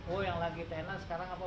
oh yang lagi tenan sekarang apa